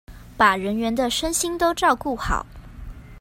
把人員的身心都照顧好